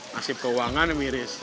nasib keuangan miris